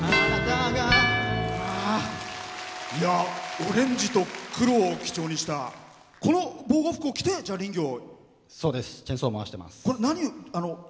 オレンジと黒を基調にしたこの防護服を着て、林業を。